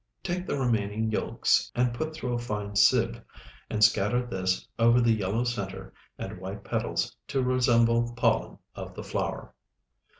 Take the remaining yolks and put through a fine sieve, and scatter this over the yellow center and white petals to resemble pollen of the flower.